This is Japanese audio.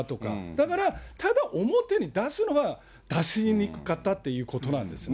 だから、表に出すのは、出しにくかったということなんですね。